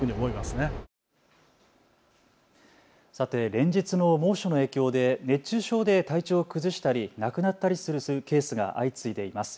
連日の猛暑の影響で熱中症で体調を崩したり亡くなったりするケースが相次いでいます。